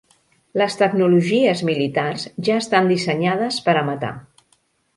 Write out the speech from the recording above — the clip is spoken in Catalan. Les tecnologies militars ja estan dissenyades per a matar.